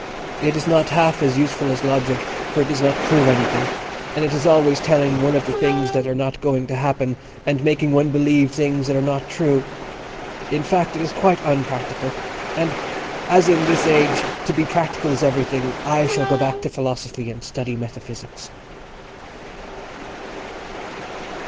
"It is not half as useful as Logic, for it does not prove anything, and it is always telling one of things that are not going to happen, and making one believe things that are not true. In fact, it is quite unpractical, and, as in this age to be practical is everything, I shall go back to Philosophy and study Metaphysics."